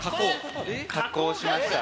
加工しました。